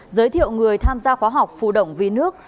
giới thiệu người tham gia khóa học phù động vì nước